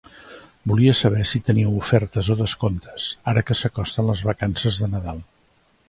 Volia saber si teniu ofertes o descomptes, ara que s'acosten les vacances de Nadal.